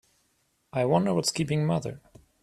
I wonder what's keeping mother?